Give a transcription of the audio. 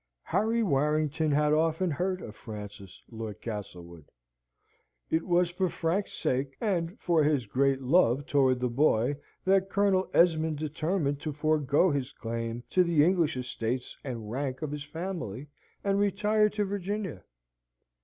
Harry Warrington had often heard of Francis, Lord Castlewood. It was for Frank's sake, and for his great love towards the boy, that Colonel Esmond determined to forgo his claim to the English estates and rank of his family, and retired to Virginia.